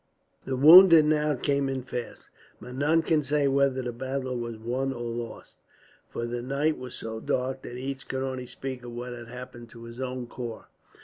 The wounded now came in fast, but none could say whether the battle was won or lost; for the night was so dark that each could only speak of what had happened to his own corps.